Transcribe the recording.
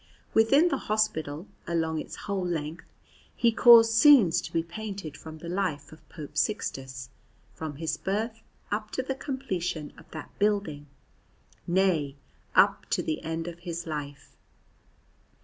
Within the hospital, along its whole length, he caused scenes to be painted from the life of Pope Sixtus, from his birth up to the completion of that building nay, up to the end of his life.